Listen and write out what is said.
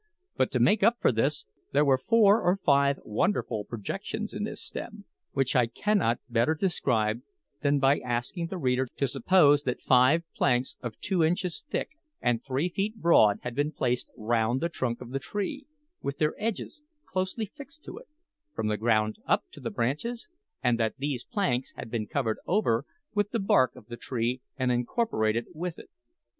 But to make up for this, there were four or five wonderful projections in this stem, which I cannot better describe than by asking the reader to suppose that five planks of two inches thick and three feet broad had been placed round the trunk of the tree, with their edges closely fixed to it, from the ground up to the branches, and that these planks had been covered over with the bark of the tree and incorporated with it.